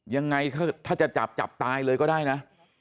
ยังไงถ้าจะจับจับตายเลยก็ได้นะ